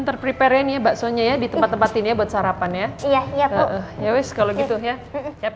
terpilih pereniabat soalnya ya di tempat tempat ini buat sarapan ya iya